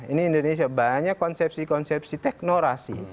ini indonesia banyak konsepsi konsepsi teknorasi